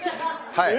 はい。